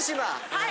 はい。